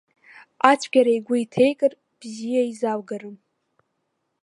Ацәгьара игәы иҭеикыр, бзиа изалгарым.